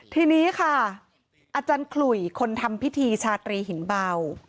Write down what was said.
ทีนี้ค่ะอคลุยคนพิธีชาตรีหินเบา